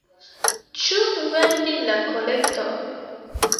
Ĉu vendi la kolekton?